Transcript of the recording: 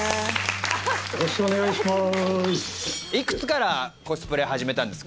よろしくお願いします。